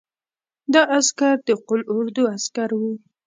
دا عسکر د قول اردو عسکر وو.